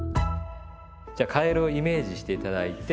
じゃあカエルをイメージして頂いて。